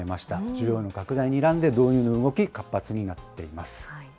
需要の拡大をにらんで、導入の動き、活発になっています。